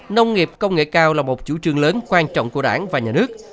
nông nghiệp công nghệ cao là một chủ trương lớn quan trọng của đảng và nhà nước